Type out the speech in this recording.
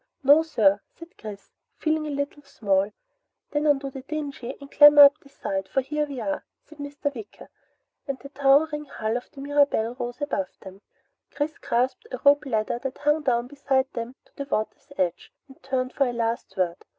"No sir," said Chris, feeling a little small. "Then undo the dinghy and clamber up the side, for here we are," said Mr. Wicker, and the towering hull of the Mirabelle rose above them. Chris grasped a rope ladder that hung down beside them to the water's edge and turned for a last word.